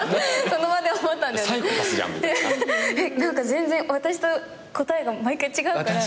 全然私と答えが毎回違うから。